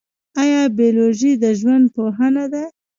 ایا بیولوژي د ژوند پوهنه ده؟